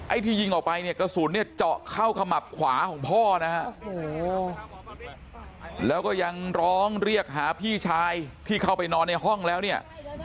ที่ยิงออกไปเนี่ยกระสุนเนี่ยเจาะเข้าขมับขวาของพ่อนะฮะแล้วก็ยังร้องเรียกหาพี่ชายที่เข้าไปนอนในห้องแล้วเนี่ย